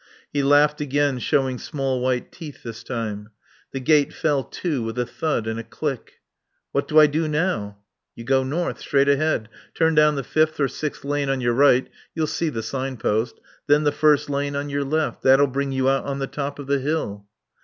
He laughed again, showing small white teeth this time. The gate fell to with a thud and a click. "What do I do now?" "You go north. Straight ahead. Turn down the fifth or sixth lane on your right you'll see the sign post. Then the first lane on your left. That'll bring you out at the top of the hill."